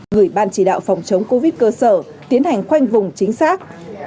gửi ban chỉ đạo phòng chống covid cơ sở tiến hành khoanh vùng chính xác